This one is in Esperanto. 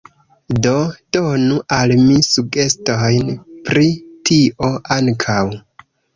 Do donu al mi sugestojn pri tio ankaŭ.